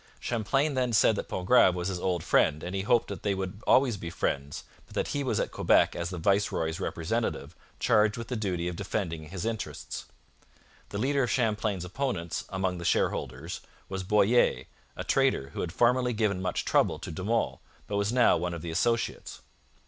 Champlain then said that Pontgrave was his old friend, and he hoped they would always be friends, but that he was at Quebec as the viceroy's representative, charged with the duty of defending his interests. The leader of Champlain's opponents among the shareholders was Boyer, a trader who had formerly given much trouble to De Monts, but was now one of the associates.